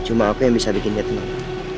cuma aku yang bisa bikin dia tenang